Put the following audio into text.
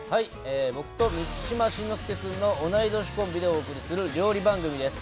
僕と満島真之介君の同い年コンビでお送りする料理番組です。